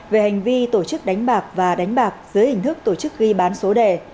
về hành vi tổ chức đánh bạc và đánh bạc dưới hình thức tổ chức ghi bán số đề